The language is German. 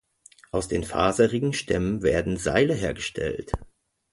Aus den faserigen Stämmen werden Seile hergestellt.